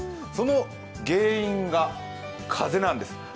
その原因が風なんです。